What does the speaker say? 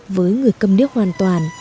với người cầm điếc hoàn toàn